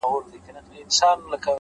پوهه د انسان لید ژوروي؛